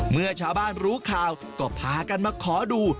เมื่อชาวบ้านรู้ข่าวก็พากันมาขอดู